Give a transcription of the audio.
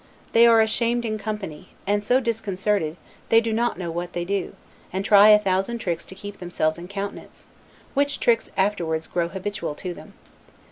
They are ashamed in company, and so disconcerted, that they do not know what they do, and try a thousand tricks to keep themselves in countenance; which tricks afterward grow habitual to them.